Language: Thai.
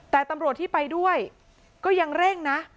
แต่ตำรวจที่ไปด้วยก็ยังเร่งนะ